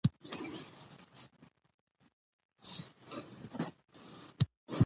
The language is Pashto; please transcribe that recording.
د ژوند چاپیریال له ککړتیا څخه پاک وي.